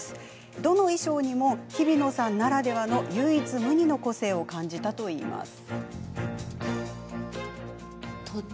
どの衣装にもひびのさんならではの唯一無二の個性を感じたといいます。